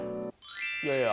いやいや。